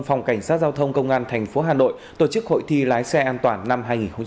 phòng cảnh sát giao thông công an thành phố hà nội tổ chức hội thi lái xe an toàn năm hai nghìn một mươi tám